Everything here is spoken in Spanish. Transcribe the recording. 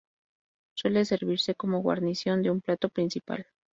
Suele servirse como guarnición de un plato principal.